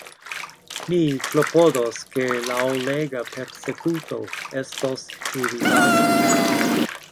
Mi klopodos, ke laŭleĝa persekuto estos evitata.